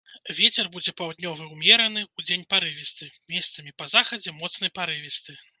Вецер будзе паўднёвы ўмераны, удзень парывісты, месцамі па захадзе моцны парывісты.